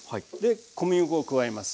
小麦粉を加えます。